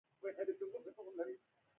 زما هېواد افغانستان.